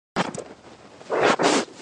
იგი ეცნობა გაზეთში დაბეჭდილ სტატიას.